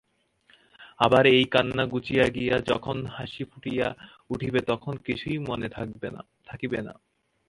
আবার এই কান্না ঘুচিয়া গিয়া যখন হাসি ফুটিয়া উঠিবে তখন কিছুই মনে থাকিবে না।